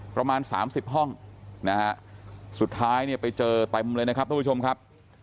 ประมาณสามสิบห้องนะฮะสุดท้ายเนี่ยไปเจอเต็มเลยนะครับทุกผู้ชมครับ